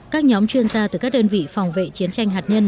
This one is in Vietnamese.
các nhóm chuyên gia từ các đơn vị phòng vệ chiến tranh hạt nhân